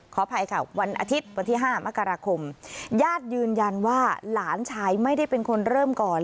ขออภัยค่ะวันอาทิตย์วันที่๕มกราคมญาติยืนยันว่าหลานชายไม่ได้เป็นคนเริ่มก่อน